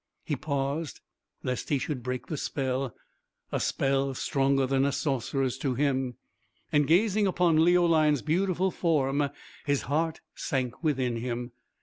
He paused lest he should break the spell (a spell stronger than a sorcerer's to him), and gazing upon Leoline's beautiful form, his heart sank within him.